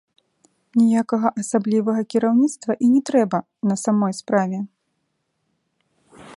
Ніякага асаблівага кіраўніцтва і не трэба, на самой справе.